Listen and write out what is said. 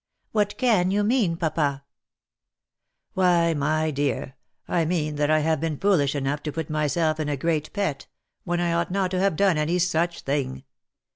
" What can you mean, papa V 11 Why, my dear, I mean that I have been foolish enough to put my self in a great pet, when I ought not to have done any such thing.